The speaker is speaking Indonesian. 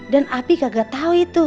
dan abi kagak tau itu